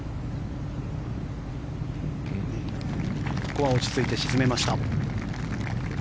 ここは落ち着いて沈めました。